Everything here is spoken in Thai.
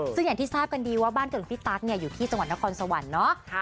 ซึ่งอย่างที่ทราบกันดีว่าบ้านเกิดของพี่ตั๊กอยู่ที่จังหวัดนครสวรรค์เนาะ